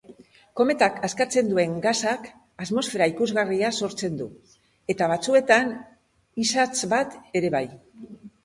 Kometak askatzen duen gasak atmosfera ikusgarria sortzen du, eta batzuetan isats bat ere bai.